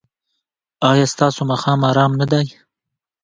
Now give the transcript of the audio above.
ایا ستاسو ماښام ارام نه دی؟